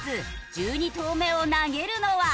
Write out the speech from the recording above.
１２投目を投げるのは。